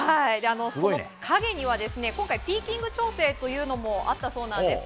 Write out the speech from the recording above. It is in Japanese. その陰には今回ピーキング調整というのもあったそうです。